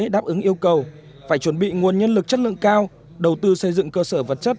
của thủ tướng yêu cầu phải chuẩn bị nguồn nhân lực chất lượng cao đầu tư xây dựng cơ sở vật chất